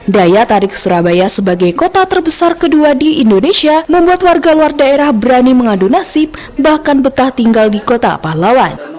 daya tarik surabaya sebagai kota terbesar kedua di indonesia membuat warga luar daerah berani mengadu nasib bahkan betah tinggal di kota pahlawan